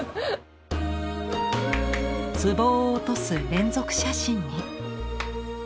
壷を落とす連続写真に。